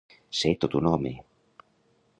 Ser tot un home.